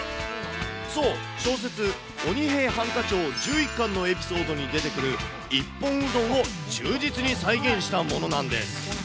そう、小説、鬼平犯科帳１１巻のエピソードに出てくる一本うどんを忠実に再現したものなんです。